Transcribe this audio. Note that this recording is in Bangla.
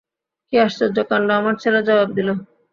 কী আশ্চর্য কাণ্ড, আমার ছেলে জবাব দিল।